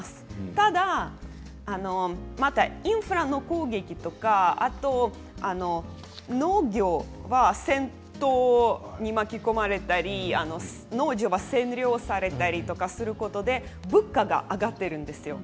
ただインフラの攻撃とか農業は戦闘に巻き込まれたり農場が占領されたりすることで物価が上がっているんです。